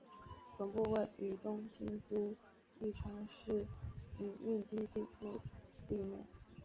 总部位于东京都立川市营运基地敷地内。